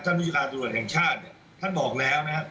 ท่านบุญการตำรวจแห่งชาติท่านบอกแล้วนะครับ